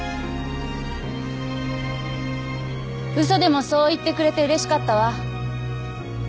嘘でもそう言ってくれてうれしかったわ。